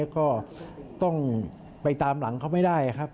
ก็ต้องไปตามหลังเขาไม่ได้ครับ